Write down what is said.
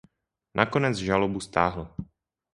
Nakonec žalobu stáhl.